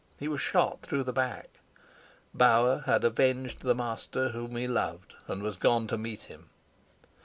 He was shot through the back. Bauer had avenged the master whom he loved, and was gone to meet him.